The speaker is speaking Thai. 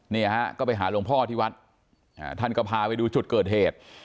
เนี่ยฮะก็ไปหาหลวงพ่อที่วัดท่านก็พาไปดูจุดเกิดเหตุ